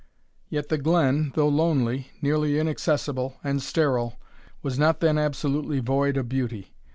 Yet the glen, though lonely, nearly inaccessible, and sterile, was not then absolutely void of beauty.